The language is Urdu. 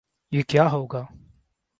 یہ کیا ہو گا؟